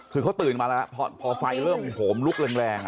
คือเขาตื่นมาแล้วพอไฟเริ่มโหมลุกแรง